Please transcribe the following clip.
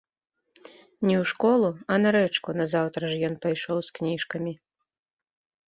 Не ў школу, а на рэчку назаўтра ж ён пайшоў з кніжкамі.